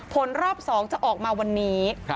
ผลรอบ๒จะออกมาวันนี้